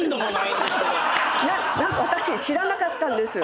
私知らなかったんです